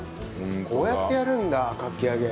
こうやってやるんだかき揚げ。